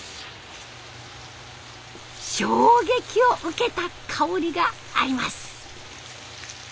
衝撃を受けた香りがあります。